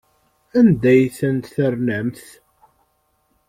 Anda ay ten-ternamt?